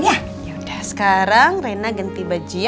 yaudah sekarang rena ganti baju ya